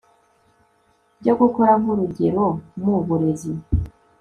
byo gukora nk urugero mu burezi